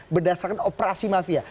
berdasarkan operasi mafia